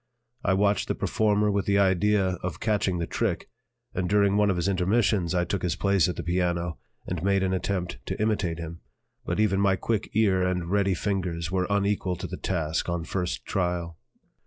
I watched the performer with the idea of catching the trick, and during one of his intermissions I took his place at the piano and made an attempt to imitate him, but even my quick ear and ready fingers were unequal to the task on first trial.